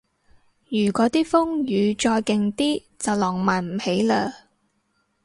如嗰啲風雨再勁啲就浪漫唔起嘞